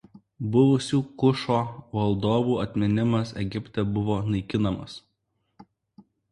Buvusių Kušo valdovų atminimas Egipte buvo naikinamas.